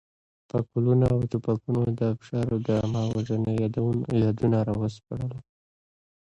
پکولونه او توپکونو د ابشارو د عامه وژنې یادونه راسپړله.